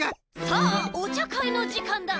さあおちゃかいのじかんだ。